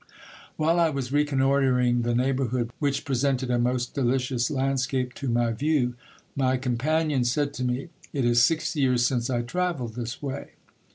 While I was reconnoitring the neighbourhood, which presented a most deli cious landscape to my view, my companion said to me, It is six years since I travelled this way.